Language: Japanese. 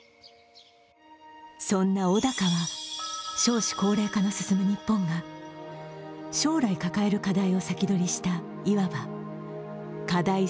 そんな小高は少子高齢化の進む日本が、将来抱える課題を先取りしたいわば課題